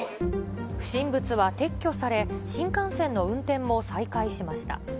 不審物は撤去され、新幹線の運転も再開しました。